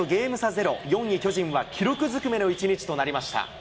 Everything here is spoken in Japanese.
ゼロ、４位巨人は記録ずくめの一日となりました。